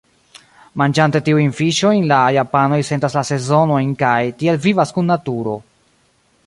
Manĝante tiujn fiŝojn, la japanoj sentas la sezonojn kaj tiel vivas kun naturo.